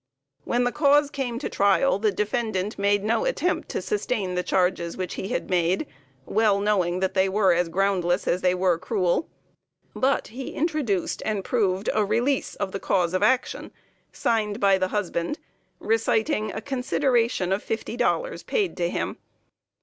When the cause came to trial the defendant made no attempt to sustain the charges which he had made, well knowing that they were as groundless as they were cruel; but he introduced and proved a release of the cause of action, signed by the husband, reciting a consideration of fifty dollars paid to him.